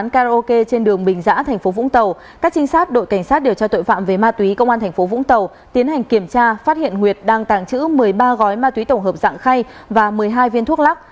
các điều tra tội phạm về ma túy công an tp vũng tàu tiến hành kiểm tra phát hiện nguyệt đang tàng trữ một mươi ba gói ma túy tổng hợp dạng khay và một mươi hai viên thuốc lắc